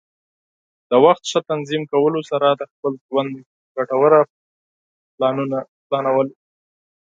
د وخت ښه تنظیم کولو سره د خپل ژوند ګټوره پلانول.